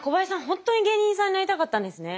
本当に芸人さんになりたかったんですね。